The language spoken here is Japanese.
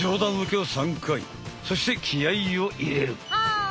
そして気合いを入れる！